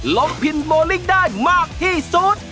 พินโบลิ่งได้มากที่สุด